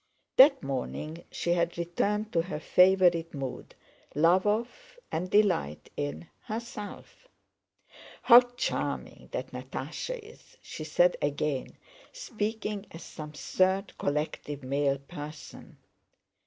That morning she had returned to her favorite mood—love of, and delight in, herself. "How charming that Natásha is!" she said again, speaking as some third, collective, male person.